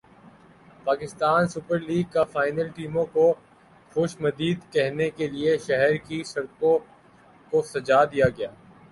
Pakistan Super League کا final ٹیموں کو خوش مدید کہنے کے لئے شہر کی سڑکوں کوسجا دیا گیا